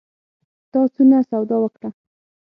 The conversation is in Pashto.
تا څونه سودا وکړه؟